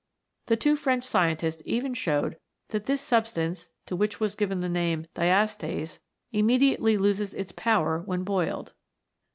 The two French scientists even showed that this sub stance, to which was given the name of Diastase, immediately loses its power when boiled.